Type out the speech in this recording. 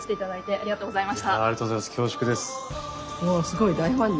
ありがとうございます。